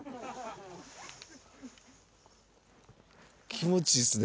気持ちいいっすね。